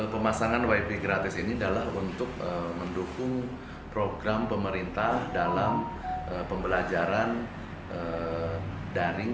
pemasangan wifi gratis ini adalah untuk mendukung program pemerintah dalam pembelajaran daring